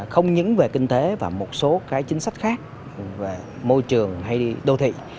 không những về kinh tế và một số chính sách khác về môi trường hay đô thị